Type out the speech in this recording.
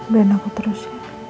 biar aku terus